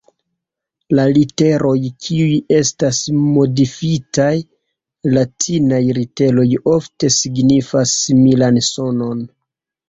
La literoj kiuj estas modifitaj latinaj literoj ofte signifas similan sonon.